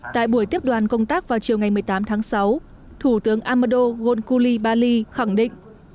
tại buổi tiếp đoàn công tác vào chiều ngày một mươi tám tháng sáu thủ tướng amadou ghosn koulibaly khẳng định